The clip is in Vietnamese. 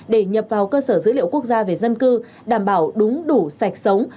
để nhập vào cơ sở dữ liệu quốc gia về dân cư đảm bảo đúng đủ sạch sống